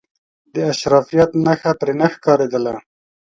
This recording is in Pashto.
د اشرافیت نخښه پر نه ښکارېدله.